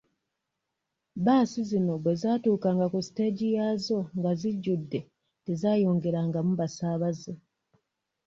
Bbaasi zino bwe zaatuukanga ku siteegi yaazo nga zijjudde tezaayongerangamu basaabaze.